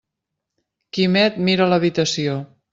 Quimet mira l'habitació.